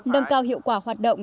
nâng cao hiệu quả hoạt động